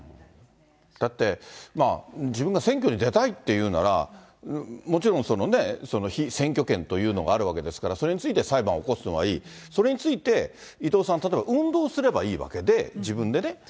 だって、自分が選挙に出たいっていうなら、もちろん被選挙権というのがあるわけですから、それについて裁判を起こすのはいい、それについて伊藤さん、例えば運動すればいいわけで、自分でね。